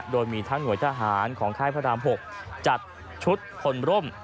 โดยมีทั้งหน่วยทหารของค่ายพระราม๖จัดชุดคนร่ม